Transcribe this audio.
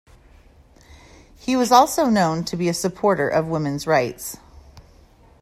He was also known to be a supporter of women's rights.